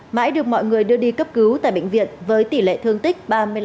mãi được mọi người đưa đi cấp cứu tại bệnh viện với tỷ lệ thương tích ba mươi năm